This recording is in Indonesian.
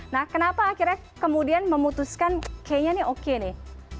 nah kenapa akhirnya kemudian memutuskan kayaknya nih oke nih